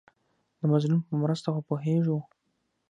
د مظلوم په مرسته خو پوهېږو.